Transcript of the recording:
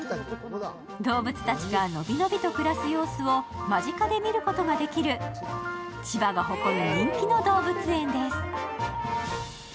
動物たちが伸び伸びと暮らす様子を間近で見ることができる千葉が誇る人気の動物園です。